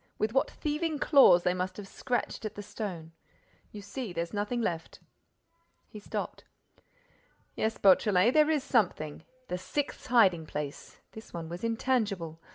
With what thieving claws they must have scratched at the stone. You see, there's nothing left." He stopped. "Yes, Beautrelet, there is something—the sixth hiding place! This one was intangible.